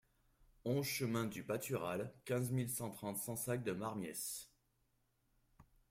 onze chemin du Patural, quinze mille cent trente Sansac-de-Marmiesse